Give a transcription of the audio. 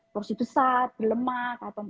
porsi besar berlemak atau